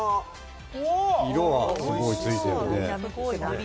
色がすごいついている。